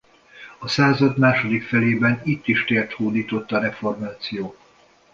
A század második felében itt is tért hódított a reformáció.